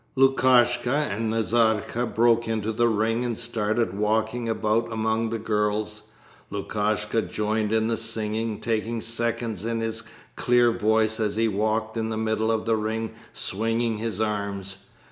"' Lukashka and Nazarka broke into the ring and started walking about among the girls. Lukashka joined in the singing, taking seconds in his clear voice as he walked in the middle of the ring swinging his arms.